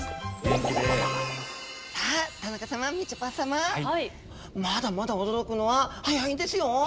まだまだ驚くのは早いんですよ！